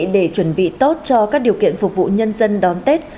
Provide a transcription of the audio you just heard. để chuẩn bị tốt cho các điều kiện phục vụ nhân dân đón tết